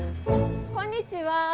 こんにちは。